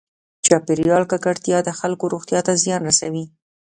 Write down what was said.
چاپېریال ککړتیا د خلکو روغتیا ته زیان رسوي.